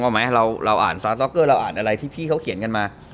นึกออกไหมเราอ่านเราอ่านอะไรที่พี่เขาเขียนกันมา